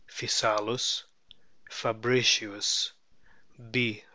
physalus, Fabricius; B.